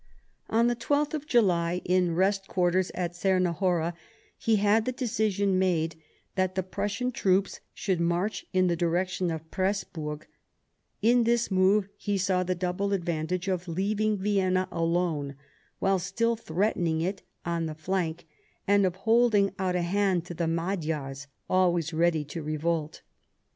On the i2th of July, in rest quarters at Czernahora, he had the decision made that the Prussian troops should march in the direction of Presburg ; in this move he saw the double advantage of leaving Vienna alone while still threatening it on the iiank, and of holding out a hand to the Magyars, always ready to revolt.